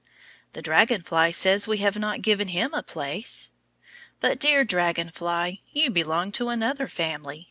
The dragon fly says we have not given him a place. But, dear dragon fly, you belong to another family.